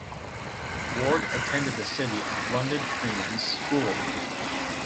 Ward attended the City of London Freemen's School.